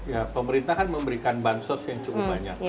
ya pemerintah kan memberikan bansos yang cukup banyak